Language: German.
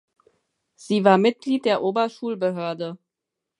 Sie war Mitglied der Oberschulbehörde.